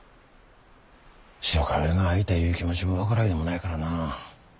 白壁の会いたいいう気持ちも分からいでもないからな。